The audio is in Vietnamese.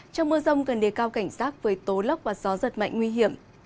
trong mưa rông gần nề cao cảnh rác với tố lóc và gió giật mạnh nguy hiểm